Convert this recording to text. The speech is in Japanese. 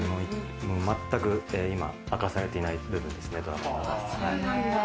全く今明かされていない部分ドラマの中で。